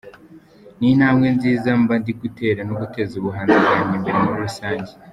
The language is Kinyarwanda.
Ni intambwe nziza mba ndi gutera no guteza ubuhanzi bwanjye imbere muri rusange.